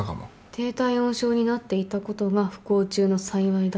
低体温症になっていたことが不幸中の幸いだったってことですね。